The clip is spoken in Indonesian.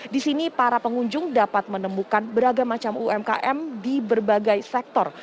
di sini para pengunjung dapat menemukan beragam macam umkm di berbagai sektor